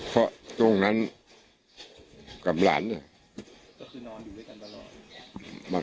เพราะตรงนั้นกำลัง